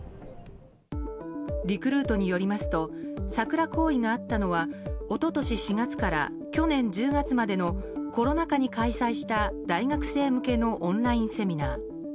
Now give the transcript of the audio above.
リクルートによりますとサクラ行為があったのは一昨年４月から去年１０月までのコロナ禍に開催した大学生向けのオンラインセミナー。